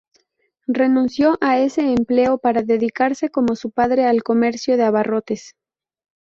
Renunció a ese empleo para dedicarse, como su padre, al comercio de abarrotes.